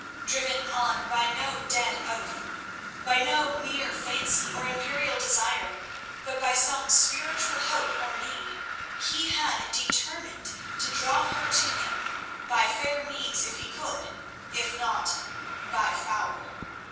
Driven on by no dead oath, by no mere fancy or imperial desire, but by some spiritual hope or need, he had determined to draw her to him, by fair means if he could; if not, by foul.